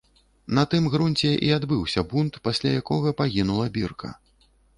На тым грунце і адбыўся бунт, пасля якога пагінула бірка.